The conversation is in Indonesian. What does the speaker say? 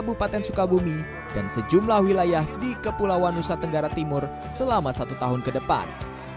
buka bumi dan sejumlah wilayah di kepulauan nusa tenggara timur selama satu tahun kedepan